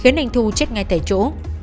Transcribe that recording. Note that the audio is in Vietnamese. khiến anh thu chết ngay tại chỗ